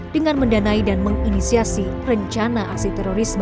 dengan mendanai dan menginisiasi rencana aksi terorisme